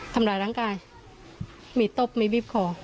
ทำร้ายร่างกายมีตบมีบีบคอ